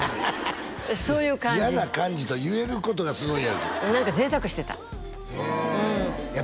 そういう感じ嫌な感じと言えることがすごい何か贅沢してたへえいや